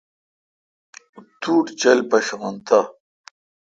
توٹھ چول پیشان تو۔